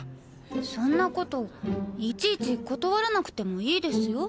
そんな事いちいち断らなくてもいいですよ。